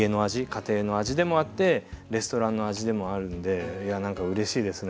家庭の味でもあってレストランの味でもあるんでいやなんかうれしいですね